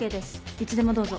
いつでもどうぞ。